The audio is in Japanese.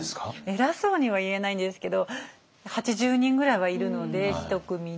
偉そうには言えないんですけど８０人ぐらいはいるので１組に。